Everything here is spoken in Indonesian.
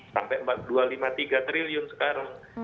sampai dua tiga triliun sekarang